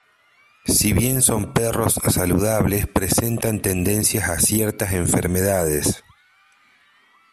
Si bien son perros saludables presentan tendencia a ciertas enfermedades.